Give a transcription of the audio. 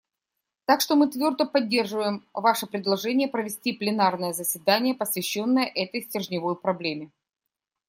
Так что мы твердо поддерживаем ваше предложение провести пленарное заседание, посвященное этой стержневой проблеме.